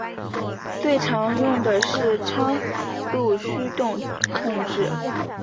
最常用的是差速驱动控制。